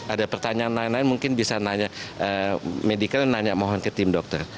ada pertanyaan lain lain mungkin bisa nanya medical nanya mohon ke tim dokter